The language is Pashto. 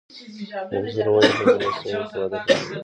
د انځرو ونې په ګرمو سیمو کې وده کوي.